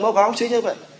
báo cáo chính như vậy